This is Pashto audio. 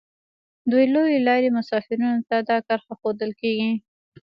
د لویې لارې مسافرینو ته دا کرښه ښودل کیږي